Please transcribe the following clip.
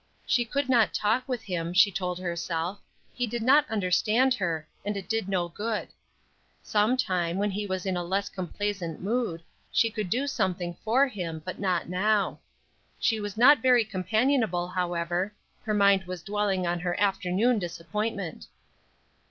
She could not talk with him, she told herself; he did not understand her, and it did no good. Some time, when he was in a less complaisant mood, she could do something for him, but not now. She was not very companionable, however; her mind was dwelling on her afternoon disappointment.